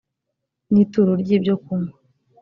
n ituro ry ibyokunywa